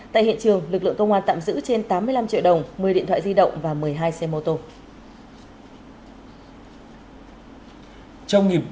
tại hiện trường lực lượng công an tạm giữ trên tám mươi năm triệu đồng một mươi điện thoại di động và một mươi hai xe mô tô